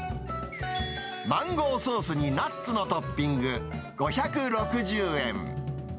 マンゴーソースにナッツのトッピング５６０円。